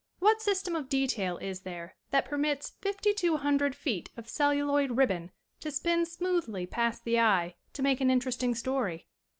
What system of detail is there that permits fifty two hundred feet of celluloid ribbon to spin smoothly past the eye to make an interesting story